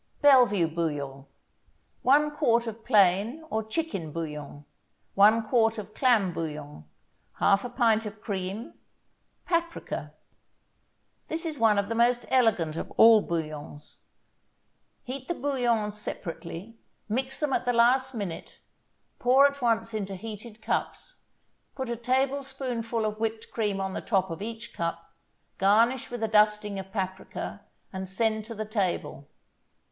BELLEVUE BOUILLON 1 quart of plain or chicken bouillon 1 quart of clam bouillon 1/2 pint of cream Paprika This is one of the most elegant of all bouillons. Heat the bouillons separately, mix them at the last minute, pour at once into heated cups, put a tablespoonful of whipped cream on the top of each cup, garnish with a dusting of paprika, and send to the table.